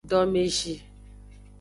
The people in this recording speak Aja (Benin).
Domezi.